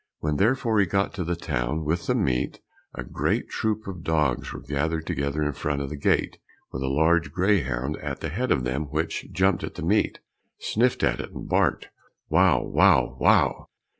When therefore he got to the town with the meat, a great troop of dogs were gathered together in front of the gate, with a large greyhound at the head of them, which jumped at the meat, snuffed at it, and barked, "Wow, wow, wow."